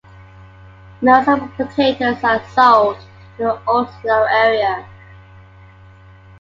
Most of the potatoes are sold in the Oslo area.